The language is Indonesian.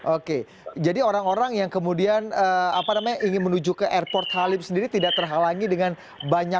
oke jadi orang orang yang kemudian ingin menuju ke airport halim sendiri tidak terhalangi dengan banyaknya